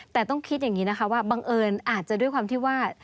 แต่ต้องคิดอย่างนี้นะคะว่าบังเอิญอาจจะด้วยความที่ว่า